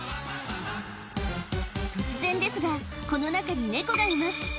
突然ですがこの中にネコがいます